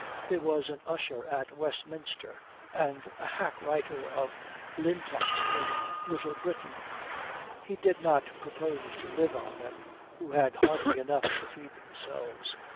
There was an usher at Westminster, and a hack writer of Lintot's in Little Britain. He did not propose to live on them, who had hardly enough to feed themselves.